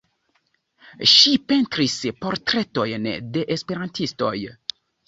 Ŝi pentris portretojn de esperantistoj.